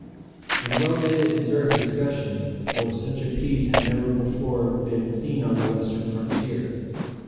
And well did it deserve discussion, for such a piece had never before been seen on the western frontier.